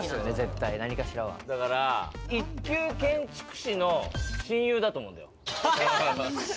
だから、一級建築士の親友だと思うんだよ。